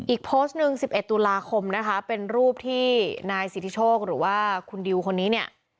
อีกโพสต์หนึ่ง๑๑ตุลาคมนะคะเป็นรูปที่นายสิทธิโชคหรือว่าคุณดิวคนนี้เนี่ย